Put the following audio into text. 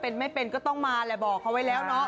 นี่